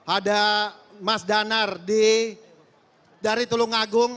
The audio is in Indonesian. ada mas danar dari tulungagung